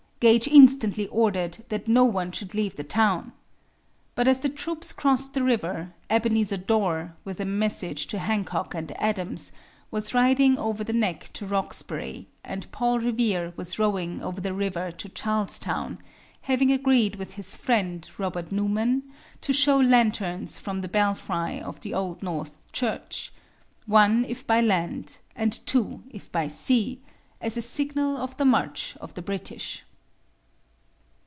Gage instantly ordered that no one should leave the town. But as the troops crossed the river, Ebenezer Dorr, with a message to Hancock and Adams, was riding over the Neck to Roxbury, and Paul Revere was rowing over the river to Charlestown, having agreed with his friend, Robert Newman, to show lanterns from the belfry of the Old North Church "One if by land, and two if by sea" as a signal of the march of the British.